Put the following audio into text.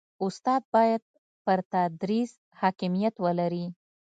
استاد باید پر تدریس حاکمیت ولري.